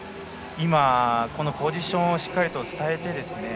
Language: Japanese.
今、このポジションをしっかり伝えて。